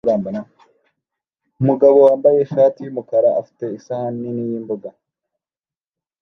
Umugabo wambaye ishati yumukara afite isahani nini yimboga